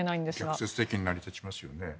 逆説的に成り立ちますよね。